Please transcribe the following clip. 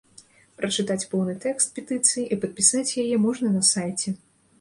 Прачытаць поўны тэкс петыцыі і падпісаць яе можна на сайце.